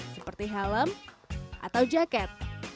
seperti helm atau jaket